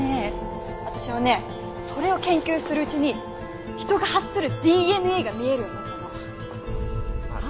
私はねそれを研究するうちに人が発するＤＮＡが見えるようになったの。は！？